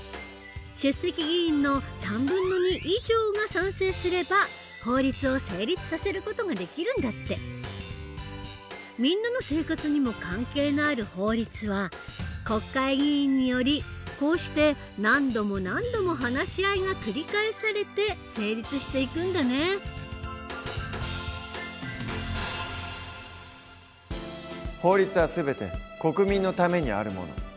出席議員の３分の２以上が賛成すれば法律を成立させる事ができるんだって。みんなの生活にも関係のある法律は国会議員によりこうして何度も何度も法律は全て国民のためにあるもの。